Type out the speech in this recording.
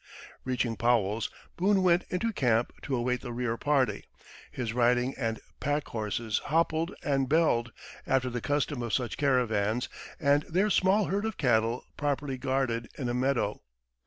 Reaching Powell's, Boone went into camp to await the rear party, his riding and packhorses hoppled and belled, after the custom of such caravans, and their small herd of cattle properly guarded in a meadow.